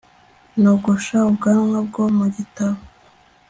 nogosha ubwanwa bwo mu gitabo